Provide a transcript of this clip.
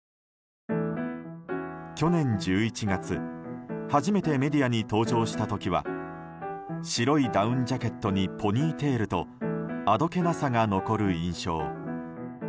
去年１１月、初めてメディアに登場した時は白いダウンジャケットにポニーテールとあどけなさが残る印象。